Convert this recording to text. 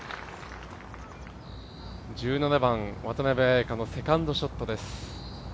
１７番、渡邉彩香のセカンドショットです。